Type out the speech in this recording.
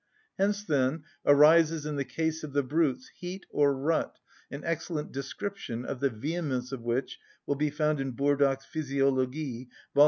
Hence, then, arises in the case of the brutes, heat or rut (an excellent description of the vehemence of which will be found in Burdach's "Physiology," vol.